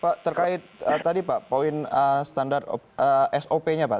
pak terkait tadi pak poin standar sop nya pak